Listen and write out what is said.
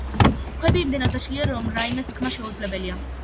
ქვები იმდენად დაშლილია, რომ რაიმეს თქმა შეუძლებელია.